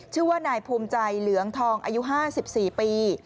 ชื่อว่านายภูมิใจเหลืองทองอายุ๕๔ปี